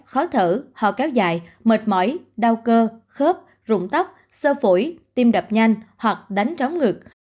khó thở ho kéo dài mệt mỏi đau cơ khớp rụng tóc sơ phổi tim đập nhanh hoặc đánh tróng ngực